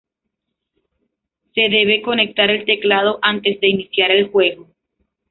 Se debe conectar el teclado antes de iniciar el juego.